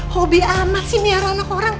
hobi amat sih biar anak orang